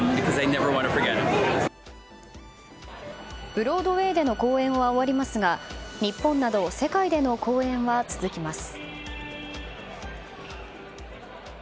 ブロードウェーでの公演は終わりますが日本など世界での公演は続きます。